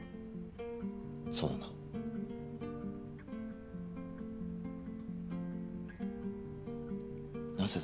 そうだな？